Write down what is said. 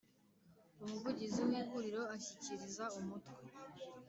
Umuvugizi w ihuriro ashyikiriza umutwe